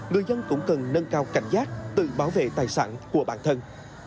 người dân cũng cần nâng cao cảnh giác tự bảo vệ tài sản của bản thân